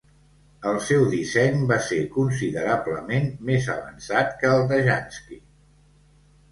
El seu disseny va ser considerablement més avançat que el de Jansky.